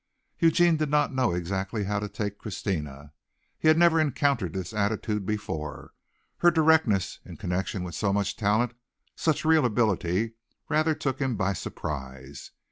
Eugene did not know exactly how to take Christina. He had never encountered this attitude before. Her directness, in connection with so much talent, such real ability, rather took him by surprise.